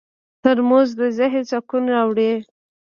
ترموز د ذهن سکون راوړي.